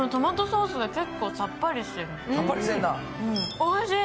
おいしい。